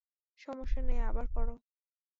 সমস্যা নেই, আবার করো।